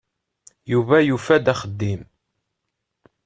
Yuba yufa-d axeddim.